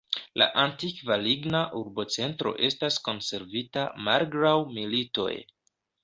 La antikva ligna urbocentro estas konservita malgraŭ militoj.